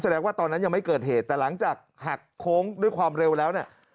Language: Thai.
แสดงว่าตอนนั้นยังไม่เกิดเหตุแต่หลังจากหักโค้งด้วยความเร็วแล้วเนี่ย